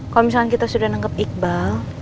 kalau misalkan kita sudah menangkep iqbal